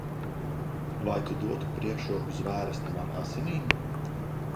Vai tu dotu priekšroku zvērestam ar asinīm?